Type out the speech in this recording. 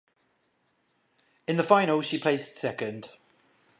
In the final she placed second.